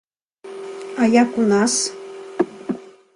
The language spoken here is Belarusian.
А як у нас?